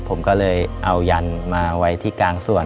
ผมก็เลยเอายันมาไว้ที่กลางส่วน